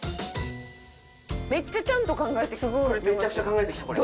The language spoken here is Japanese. めっちゃちゃんと考えてくれてます。